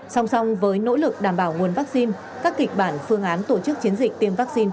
song song với nỗ lực đảm bảo nguồn vaccine các kịch bản phương án tổ chức chiến dịch tiêm vaccine